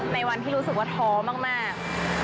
ในวันที่รู้สึกว่าท้อมาก